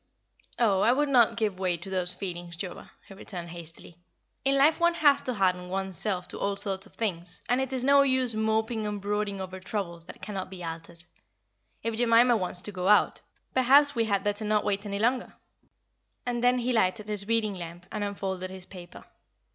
"Oh, I would not give way to those feelings, Joa," he returned, hastily. "In life one has to harden one's self to all sorts of things, and it is no use moping and brooding over troubles that cannot be altered. If Jemima wants to go out, perhaps we had better not wait any longer." And then he lighted his reading lamp, and unfolded his paper.